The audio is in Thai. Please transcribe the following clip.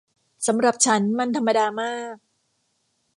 สำหรับฉันมันธรรมดามาก